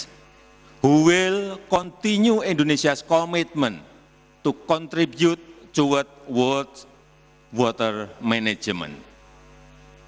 yang akan teruskan komitmen indonesia untuk memberi kontribusi ke manajemen air dunia